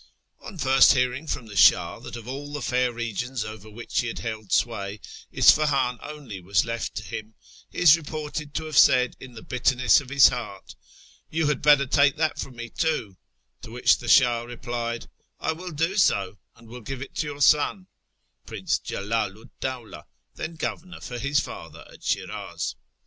On first hearing from the Shah that of all the fair regions over which he had held sway, Isfahan only was left to him, he is reported to have said in the bitterness of his heart, " You had better take that from me too "; to which the Shah replied, " I will do so, and will give it to your son " (Prince Jalalu 'd Dawla, then governor for his father at Shiraz).